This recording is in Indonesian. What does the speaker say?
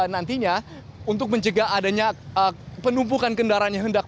nantinya untuk mencegah adanya penumpukan kendaraan yang hendak